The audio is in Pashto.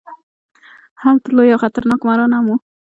هلته لوی او خطرناک ماران هم وو.